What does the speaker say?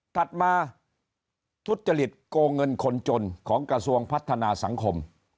ถัดมาทุจริตโกงเงินคนจนของกระทรวงพัฒนาสังคม